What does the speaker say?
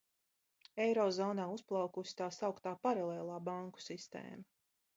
Eirozonā uzplaukusi tā sauktā paralēlā banku sistēma.